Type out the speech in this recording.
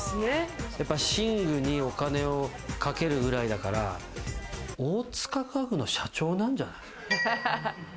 寝具にお金をかけるくらいだから、大塚家具の社長なんじゃない？